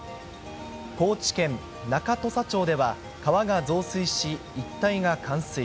高知県中土佐町では、川が増水し、一帯が冠水。